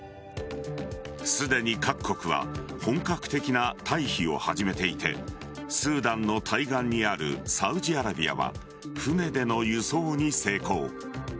すでに各国は本格的な退避を始めていてスーダンの対岸にあるサウジアラビアは船での輸送に成功。